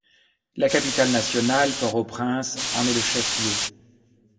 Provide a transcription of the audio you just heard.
La capitale nationale, Port-au-Prince en est le chef-lieu.